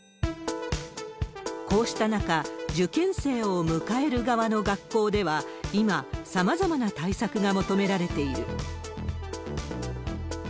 こうした中、受験生を迎える側の学校では今、さまざまな対策が求められている。